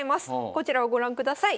こちらをご覧ください。